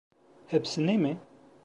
Hepsini mi?